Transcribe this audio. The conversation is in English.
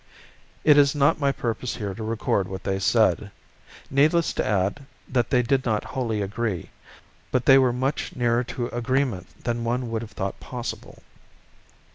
It is not my purpose here to record what they said. Needless to add that they did not wholly agree, but they were much nearer to agreement than one would have thought possible.